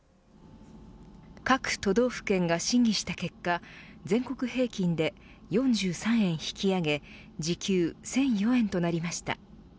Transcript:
各都道府県が審議した結果全国平均で４３円引き上げ時給１００４円となりました。